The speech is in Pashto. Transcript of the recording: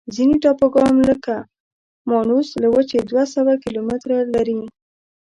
ځینې ټاپوګان لکه مانوس له وچې دوه سوه کیلومتره لري.